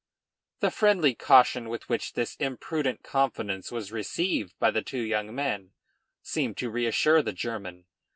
The friendly caution with which this imprudent confidence was received by the two young men, seemed to reassure the German.